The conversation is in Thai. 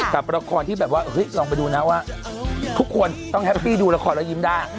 กับละครที่แบบว่าลองไปดูนะว่าทุกคนต้องแฮปปี้ดูละครแล้วยิ้มได้